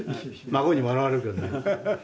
孫に笑われるけどね。